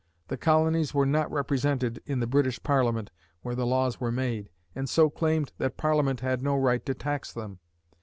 The colonies were not represented in the British Parliament (where the laws were made) and so claimed that Parliament had no right to tax them.